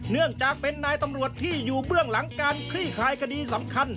เนื่องจากเป็นนายตำรวจที่อยู่เบื้องหลังการคลี่คลายคดีสำคัญ